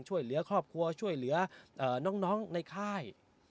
ช่วยเหลือครอบครัวช่วยเหลือน้องในค่าย